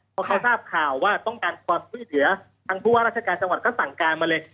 พอเขาทราบข่าวว่าต้องการความช่วยเหลือทางผู้ว่าราชการจังหวัดก็สั่งการมาเลย